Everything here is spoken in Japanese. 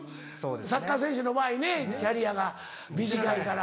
サッカー選手の場合ねキャリアが短いから。